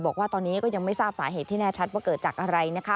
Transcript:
บอกว่าตอนนี้ก็ยังไม่ทราบสาเหตุที่แน่ชัดว่าเกิดจากอะไรนะคะ